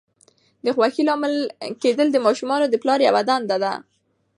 د خوښۍ لامل کېدل د ماشومانو د پلار یوه دنده ده.